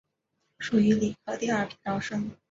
属于理科第二批招生。